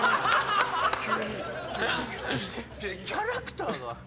キャラクターが！